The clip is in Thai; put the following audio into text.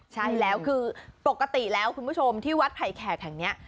ใช่แล้วคือปกติแล้วคุณผู้ชมที่วัดไผ่แขกแห่งนี้